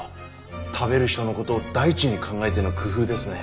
食べる人のことを第一に考えての工夫ですね。